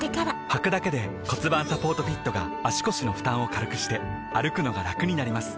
はくだけで骨盤サポートフィットが腰の負担を軽くして歩くのがラクになります